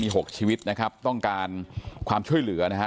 หกชีวิตนะครับต้องการความช่วยเหลือนะฮะ